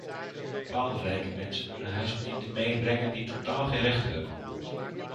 Bepaalde rijke mensen kunnen huisbedienden meebrengen die totaal geen rechten hebben.